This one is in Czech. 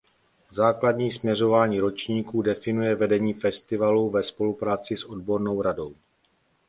Základní směřování ročníků definuje vedení festivalu ve spolupráci s odbornou radou.